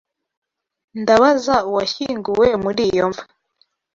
Ndabaza uwashyinguwe muri iyo mva.